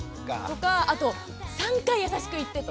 あと３回優しく言ってと。